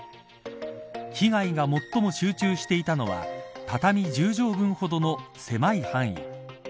被害が最も集中していたのは畳１０畳分ほどの狭い範囲。